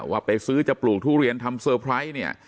ว่าไปซื้อจะปลูกทุเรียนทำเซอร์ไพรส์เนี่ย